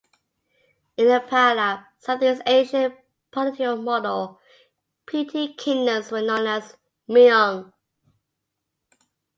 In the parallel Southeast Asian political model, petty kingdoms were known as Mueang.